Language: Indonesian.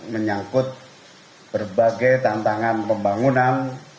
menyangkut berbagai tantangan pembangunan